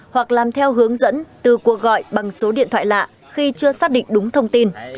hoặc làm theo hướng dẫn từ cuộc gọi bằng số điện thoại lạ khi chưa xác định đúng thông tin